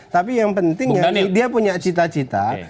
tapi yang penting dia punya cita cita